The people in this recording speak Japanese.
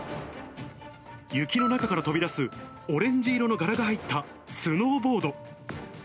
雪の中から飛び出すオレンジ色の柄が入ったスノーボード。